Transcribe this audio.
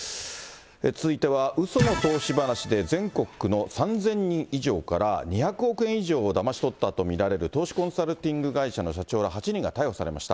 続いては、うその投資話で全国の３０００人以上から２００億円以上をだまし取ったと見られる投資コンサルティング会社の社長ら８人が逮捕されました。